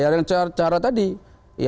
dengan cara tadi